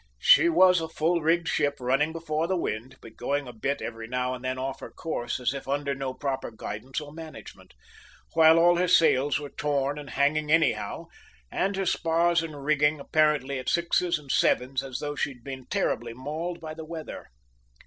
She was a full rigged ship running before the wind, but going a bit every now and then off her course as if under no proper guidance or management, while all her sails were torn and hanging anyhow, and her spars and rigging apparently at sixes and sevens, as though she had been terribly mauled by the weather.